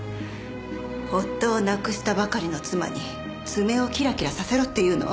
夫を亡くしたばかりの妻に爪をキラキラさせろっていうの？